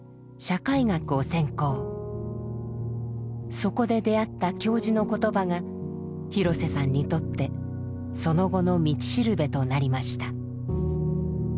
そこで出会った教授の言葉が廣瀬さんにとってその後の道しるべとなりました。